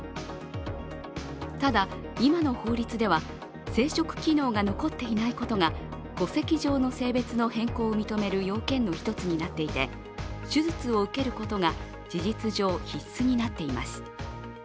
ただ、今の法律では生殖機能が残っていないことが戸籍上の性別の変更を認める要件の一つになっていて手術を受けることが事実上、必須になっています。